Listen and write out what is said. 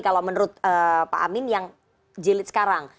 kalau menurut pak amin yang jilid sekarang